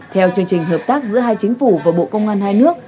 theo chương trình hợp tác giữa hai chính phủ và bộ công an hai nước